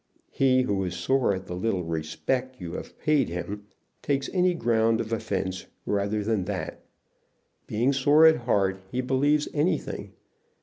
He, who is sore at the little respect you have paid him, takes any ground of offence rather than that. Being sore at heart, he believes anything.